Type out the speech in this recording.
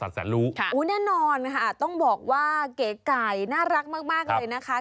แสนรู้แน่นอนค่ะต้องบอกว่าเก๋ไก่น่ารักมากเลยนะคะ